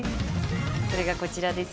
それがこちらです。